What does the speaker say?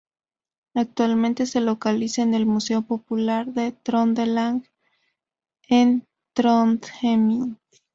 Actualmente se localiza en el Museo Popular de Trøndelag, en Trondheim.